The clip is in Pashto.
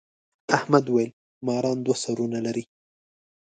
احمد وويل: ماران دوه سرونه لري.